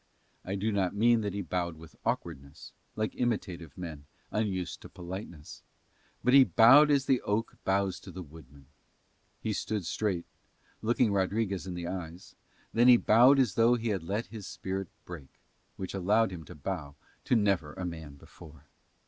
I do not mean that he bowed with awkwardness, like imitative men unused to politeness, but he bowed as the oak bows to the woodman; he stood straight, looking Rodriguez in the eyes, then he bowed as though he had let his spirit break, which allowed him to bow to never a man before.